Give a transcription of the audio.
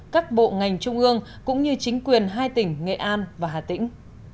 các bộ ngành trung ương cũng như chính quyền hai tỉnh nghệ an và hà tĩnh